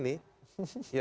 nah mereka itu